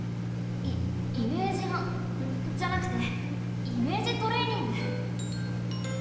イメージハじゃなくてイメージトレーニング。